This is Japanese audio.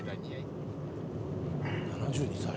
７２歳。